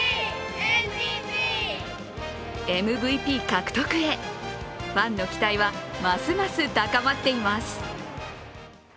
ＭＶＰ獲得へ、ファンの期待はますます高まっています。